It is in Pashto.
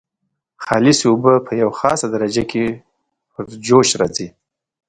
خالصې اوبه په یوه خاصه درجه کې جوش راځي.